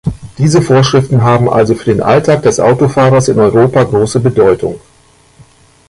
Diese Vorschriften haben also für den Alltag des Autofahrers in Europa große Bedeutung.